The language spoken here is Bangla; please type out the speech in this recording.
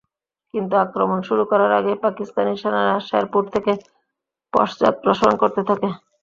কিন্তু আক্রমণ শুরু করার আগেই পাকিস্তানি সেনারা শেরপুর থেকে পশ্চাদপসরণ করতে থাকে।